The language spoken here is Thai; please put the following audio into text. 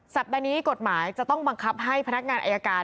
สัปดาห์นี้กฎหมายจะต้องบังคับให้พนักงานอายการ